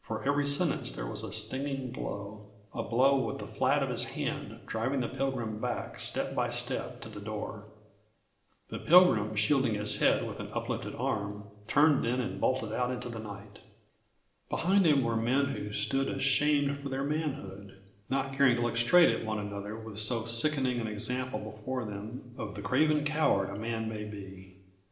For every sentence there was a stinging blow a blow with the flat of his hand, driving the Pilgrim back, step by step, to the door. The Pilgrim, shielding his head with an uplifted arm, turned then and bolted out into the night. [Illustration: FOR EVERY SENTENCE A STINGING BLOW WITH THE FLAT OF HIS HAND.] Behind him were men who stood ashamed for their manhood, not caring to look straight at one another with so sickening an example before them of the craven coward a man may be.